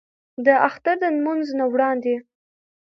د اختر د لمونځ نه وړاندې